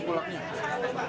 sejumlahnya sudah satu bulan